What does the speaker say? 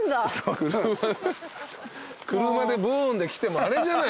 車でブーンで来てもあれじゃない。